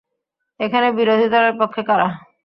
এখানে বিরোধী দলের পক্ষে কারা?